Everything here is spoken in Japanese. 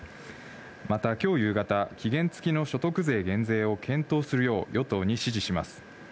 またきょう夕方、期限付きの所得税減税を検討するよう、与党に指示します。